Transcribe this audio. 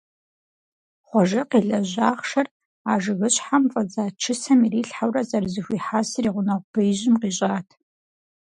Хъуэжэ къилэжь ахъшэр а жыгыщхьэм фӀэдза чысэм ирилъхьэурэ зэрызэхуихьэсыр и гъунэгъу беижьым къищӀат.